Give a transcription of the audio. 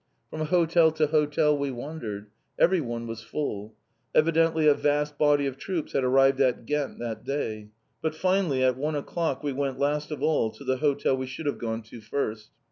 From hotel to hotel we wandered; everyone was full; evidently a vast body of troops had arrived at Ghent that day. But, finally, at one o'clock we went last of all to the hotel we should have gone to first.